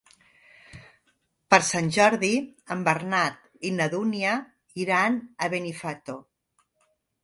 Per Sant Jordi en Bernat i na Dúnia iran a Benifato.